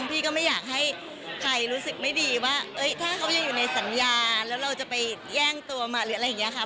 พี่ก็ไม่อยากให้ใครรู้สึกไม่ดีว่าถ้าเขายังอยู่ในสัญญาแล้วเราจะไปแย่งตัวมาหรืออะไรอย่างนี้ค่ะ